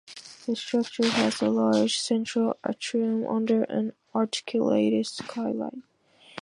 The structure has a large central atrium under an articulated skylight.